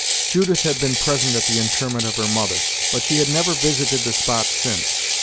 Judith had been present at the interment of her mother, but she had never visited the spot since.